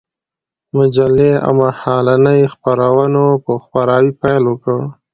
مجلې او مهالنۍ خپرونو په خپراوي پيل وكړ.